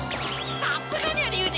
さすがニャ龍二！